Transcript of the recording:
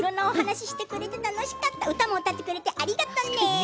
歌も歌ってくれてありがとうね。